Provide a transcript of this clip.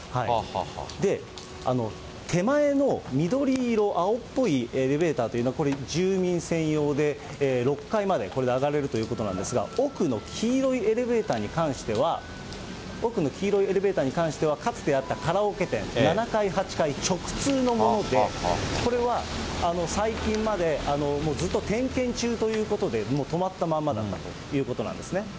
で、手前の緑色、青っぽいエレベーターというのが、これ、住民専用で、６階まで、これで上がれるということなんですが、奥の黄色いエレベーターに関しては、奥の黄色いエレベーターに関しては、かつてあったカラオケ店、７階、８階直通のもので、これは最近までもうずっと点検中ということで、もう止まったまんまだったということなんですね。